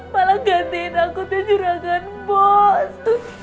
malah gantiin angkotnya juragan bos